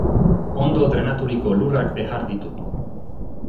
Ondo drenaturiko lurrak behar ditu.